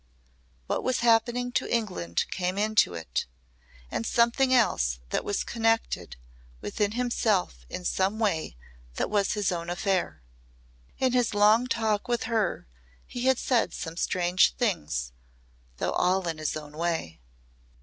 What was happening to England came into it and something else that was connected with himself in some way that was his own affair. In his long talk with her he had said some strange things though all in his own way.